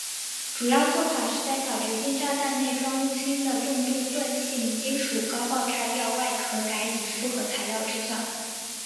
主要作法是在小直径炸弹内装入新的重度钝性金属高爆炸药外壳改以复合材料制造。